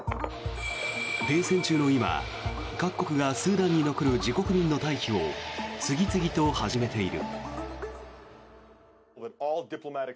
停戦中の今、各国がスーダンに残る自国民の退避を次々と始めている。